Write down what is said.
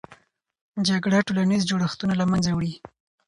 جګړه ټولنیز جوړښتونه له منځه وړي.